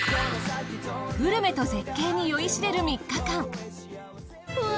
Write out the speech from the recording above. グルメと絶景に酔いしれる３日間。